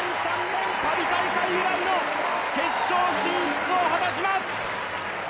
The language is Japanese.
２００３年パリ大会以来の決勝進出を果たします。